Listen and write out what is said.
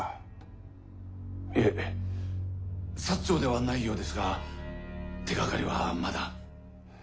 長ではないようですが手がかりはまだ。